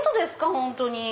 本当に。